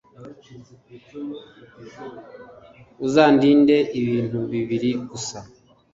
uzandinde ibintu bibiri gusa